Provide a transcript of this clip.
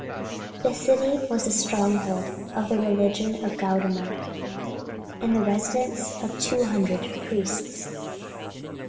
The city was the stronghold of the religion of Gaudama, and the residence of two hundred priests.